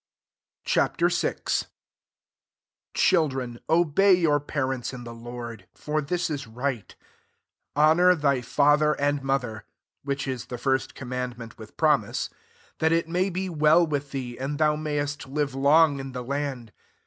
Ch. VL 1 Children, obey your parents [in the Lord] : for this is right. 2 " Honour thy father and mother," (which is the first commandment with promise,) 3 « that it may be well with thee, and thou may est live long in the land."